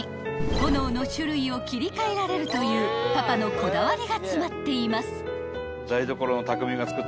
［炎の種類を切り替えられるというパパのこだわりが詰まっています］